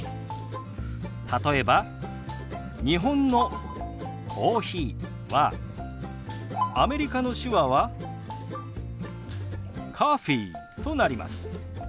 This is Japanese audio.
例えば日本の「コーヒー」はアメリカの手話は「ｃｏｆｆｅｅ」となります。